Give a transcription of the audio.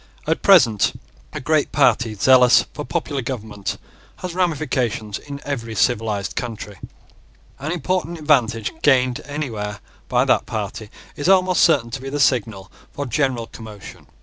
At present a great party zealous for popular government has ramifications in every civilised country. And important advantage gained anywhere by that party is almost certain to be the signal for general commotion.